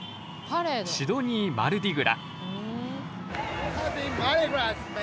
ハッピーマルディグラ。